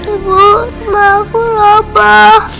ibu mbak aku roboh